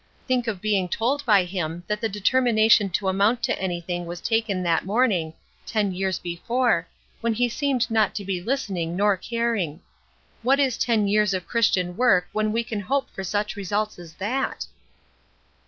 Think of being told by him that the determination to amount to something was taken that morning, ten years before, when he seemed not to be listening nor caring! What is ten years of Christian work when we can hope for such results as that!